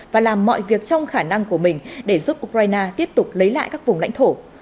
và làm mọi việc trong khả năng của mình để giúp ukraine tiếp tục lấy lại các vùng lãnh thổ